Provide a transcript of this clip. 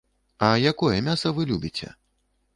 А якое мяса вы любіце?